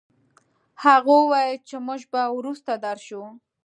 هغه وويل چې موږ به وروسته درشو.